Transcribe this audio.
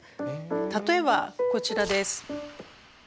例えばこちらです。